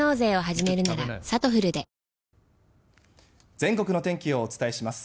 全国の天気をお伝えします。